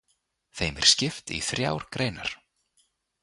Þeim er skipt í þrjár greinar.